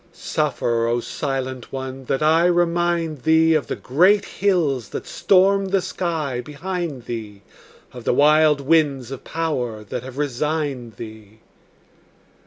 Suffer, O silent one, that I remind thee Of the great hills that stormed the sky behind thee, Of the wild winds of power that have resigned thee.